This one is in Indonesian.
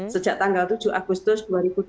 sejak tanggal tujuh agustus dua ribu dua puluh